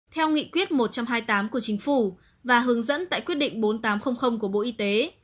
theo nghị quyết một trăm hai mươi tám của chính phủ và hướng dẫn tại quyết định bốn nghìn tám trăm linh của bộ y tế